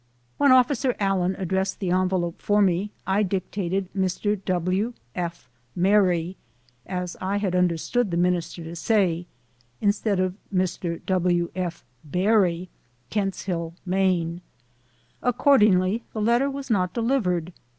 When officer Allen addressed the envelope for me I dic tated "Mr. W. F. Merry,*' as I had understood the minister to say, instead of Mr. W. F. Berry, Kent's Hill, Maine. Accordingly, the letter was not de livered.